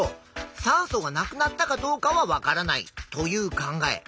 酸素がなくなったかどうかは分からないという考え。